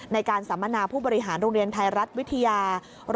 สัมมนาผู้บริหารโรงเรียนไทยรัฐวิทยา๑๐